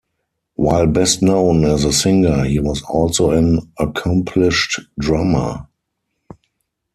While best known as a singer, he was also an accomplished drummer.